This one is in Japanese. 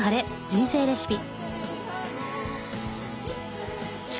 人生レシピ」